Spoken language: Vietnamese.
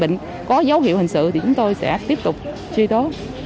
nếu như làm lây lan dịch bệnh có dấu hiệu hình sự thì chúng tôi sẽ tiếp tục truy tố